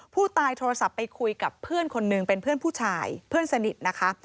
ผู้ตายโทรศัพท์ไปคุยกับเพื่อนคนหนึ่งเป็นเพื่อนผู้ชายเพื่อนสนิทนะคะ